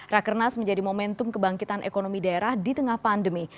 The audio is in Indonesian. rakernas menjadi momentum kebangkitan ekonomi daerah di tengah pandemi